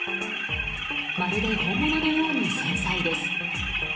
まるで本物のように繊細です。